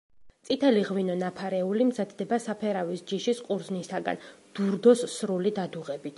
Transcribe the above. წითელი ღვინო „ნაფარეული“ მზადდება საფერავის ჯიშის ყურძნისაგან, დურდოს სრული დადუღებით.